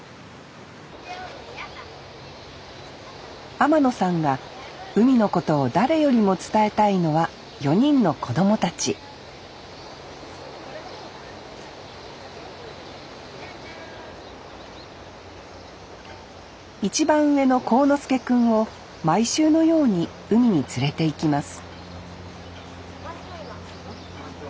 天野さんが海のことを誰よりも伝えたいのは４人の子供たち一番上の航之介くんを毎週のように海に連れていきます